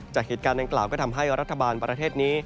จากเหตุการณ์ดังกล่าวก็ทำให้รัฐบาลประเทศนี้